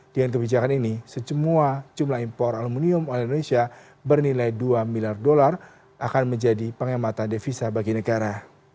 dengan kebijakan ini sejumlah impor aluminium oleh indonesia bernilai dua miliar dolar akan menjadi penghematan devisa bagi negara